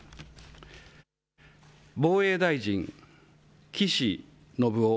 防衛大臣、岸信夫。